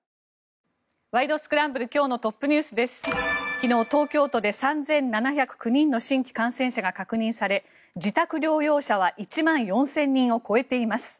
昨日、東京都で３７０９人の新規感染者が確認され自宅療養者は１万４０００人を超えています。